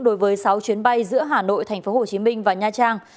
đối với sáu chuyến bay giữa hà nội thành phố hồ chí minh và nha trang